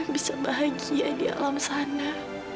bisa bahagia di alam sana